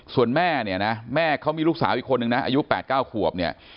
ส่วนแม่เนี่ยนะแม่เขามีลูกสาวอีกคนนึงนะอายุ๘๙ขวบเนี่ย